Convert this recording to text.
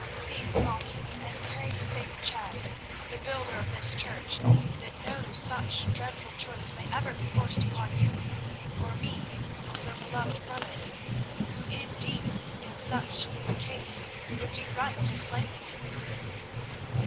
"Cease mocking, and pray St. Chad, the builder of this church, that no such dreadful choice may ever be forced upon you, or me, or your beloved brother—who, indeed, in such a case would do right to slay me."